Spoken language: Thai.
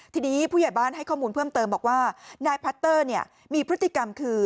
ทีนี้ผู้ใหญ่บ้านให้ข้อมูลเพิ่มเติมบอกว่านายพัตเตอร์มีพฤติกรรมคือ